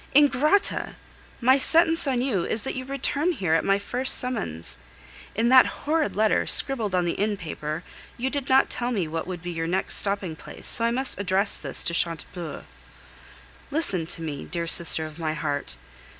Ingrata! My sentence on you is that you return here at my first summons. In that horrid letter, scribbled on the inn paper, you did not tell me what would be your next stopping place; so I must address this to Chantepleurs. Listen to me, dear sister of my heart.